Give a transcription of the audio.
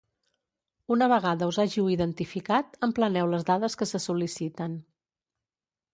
Una vegada us hàgiu identificat, empleneu les dades que se sol·liciten.